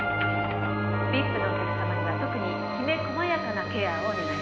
「ＶＩＰのお客様には特にきめ細やかなケアをお願いします」